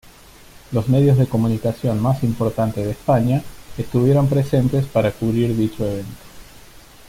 Los medios de comunicación más importantes de España estuvieron presentes para cubrir dicho evento.